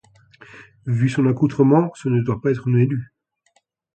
Vu son accoutrement, ce ne doit pas être une élue.